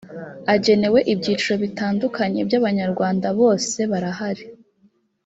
agenewe ibyiciro bitandukanye by ‘abanyarwanda bose barahari.